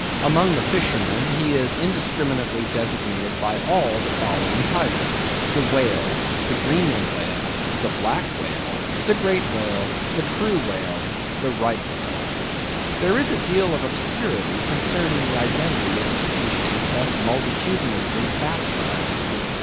Among the fishermen, he is indiscriminately designated by all the following titles: The Whale; the Greenland Whale; the Black Whale; the Great Whale; the True Whale; the Right Whale. There is a deal of obscurity concerning the identity of the species thus multitudinously baptised.